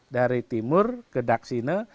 dari timur ke daksina